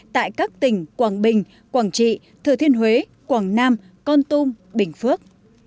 tại các tỉnh quảng bình quảng trị thừa thiên huế quảng nam con tum bình phước